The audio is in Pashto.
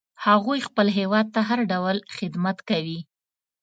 هغوی خپل هیواد ته هر ډول خدمت کوي